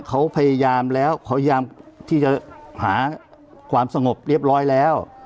เขาพยายามแล้วที่จะหาความสงบเรียบร้อยแล้ว